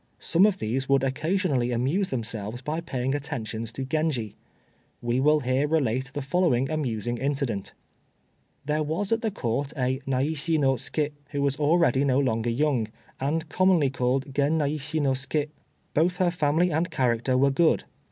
Some of these would occasionally amuse themselves by paying attentions to Genji. We will here relate the following amusing incident: There was at the Court a Naishi no Ske, who was already no longer young, and commonly called Gen Naishi no Ske. Both her family and character were good.